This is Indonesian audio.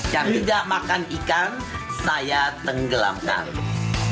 yang tidak makan ikan saya tenggelamkan